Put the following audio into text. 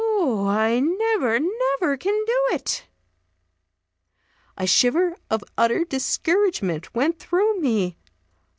Oh, I never, never can do it!" A shiver of utter discouragement went through me.